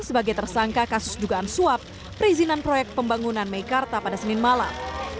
sebagai tersangka kasus dugaan suap perizinan proyek pembangunan meikarta pada senin malam